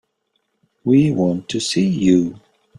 We want to see you.